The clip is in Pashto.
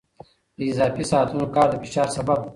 د اضافي ساعتونو کار د فشار سبب دی.